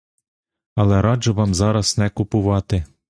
Але раджу вам зараз не купувати.